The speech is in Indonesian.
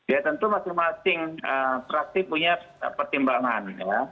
ya tentu masing masing praksi punya pertimbangan